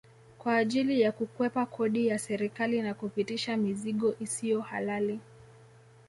Kwa ajili ya kukwepa kodi ya serikali na kupitisha mizigo isiyo halali